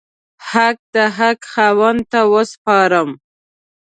حق د حق خاوند ته وسپارم.